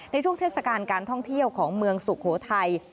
เทศกาลการท่องเที่ยวของเมืองสุโขทัย